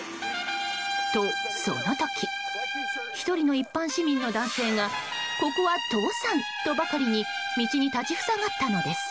と、その時１人の一般市民の男性がここは通さん！とばかりに道に立ち塞がったのです。